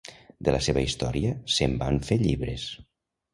De la seva història se'n van fer llibres.